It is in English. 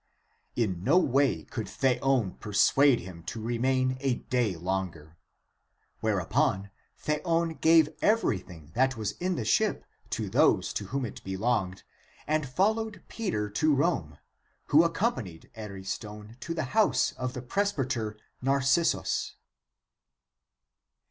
In no way could Theon persuade him to remain a day longer. Whereupon Theon gave everything that was in the ship to those to whom it belonged, and followed Peter to Rome, who accompanied Ariston to the house of the pres byter Narcissus.